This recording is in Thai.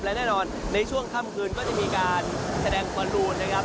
และแน่นอนในช่วงค่ำคืนก็จะมีการแสดงคอนดูนนะครับ